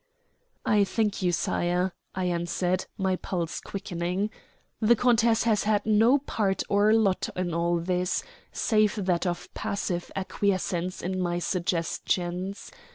"I thank you, sire," I answered, my pulse quickening. "The countess has had no part or lot in all this, save that of passive acquiescence in my suggestions.